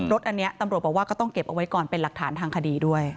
รถอันนี้ตำรวจบอกว่าก็ต้องเก็บเอาไว้ก่อนเป็นหลักฐานทางคดีด้วย